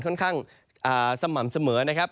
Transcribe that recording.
ค่อนข้างสม่ำเสมอนะครับ